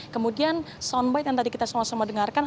kemudian soundbite yang tadi kita sama sama dengarkan